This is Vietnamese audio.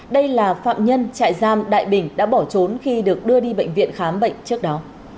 đây là phạm nhân trại giam đại bình đã bỏ trốn khi được đưa đi bệnh viện khám bệnh trước đó